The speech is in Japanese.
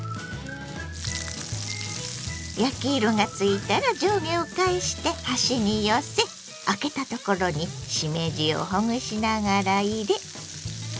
焼き色がついたら上下を返して端に寄せあけたところにしめじをほぐしながら入れ。